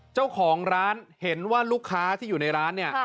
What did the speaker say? เจ้าของร้านเห็นว่าลูกค้าที่อยู่ในร้านเนี่ย